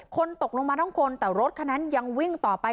คนตกลงมาทั้งคนแต่รถคันนั้นยังวิ่งต่อไป